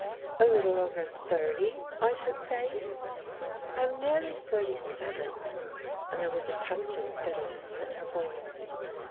"" A little over thirty, I should say." " I am nearly thirty seven/' and there was a touch of bitterness in her voice.